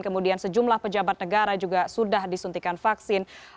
kemudian sejumlah pejabat negara juga sudah disuntikan vaksin